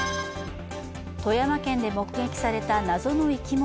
富山県で目撃された謎の生き物。